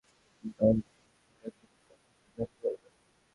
দলটি তুরস্ক-ইরাক সীমান্তে আপনার সাথে দেখা করবে।